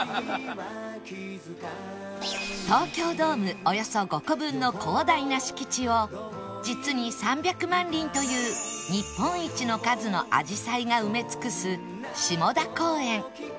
東京ドームおよそ５個分の広大な敷地を実に３００万輪という日本一の数のあじさいが埋め尽くす下田公園